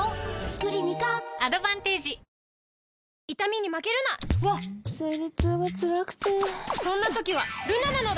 クリニカアドバンテージわっ生理痛がつらくてそんな時はルナなのだ！